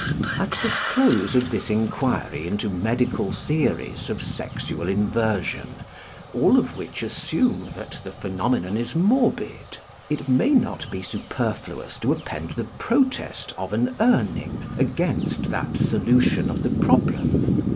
At the close of this enquiry into medical theories of sexual inversion, all of which assume that the phenomenon is morbid, it may not be superfluous to append the protest of an Urning against that solution of the problem.